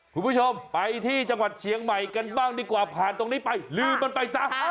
คุณผู้ชมไปที่จังหวัดเชียงใหม่กันบ้างดีกว่าผ่านตรงนี้ไปลืมมันไปซะ